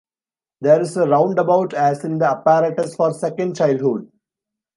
There is a roundabout as in the apparatus for second childhood.